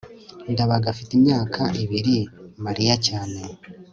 ndabaga afite imyaka ibiri mariya cyane